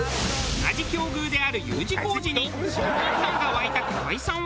同じ境遇であるＵ字工事に親近感が湧いた河合さんは。